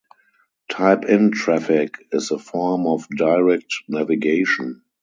Type-in traffic is a form of direct navigation.